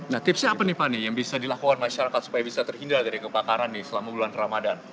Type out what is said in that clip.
nah tipsnya apa nih pak nih yang bisa dilakukan masyarakat supaya bisa terhindar dari kebakaran selama bulan ramadhan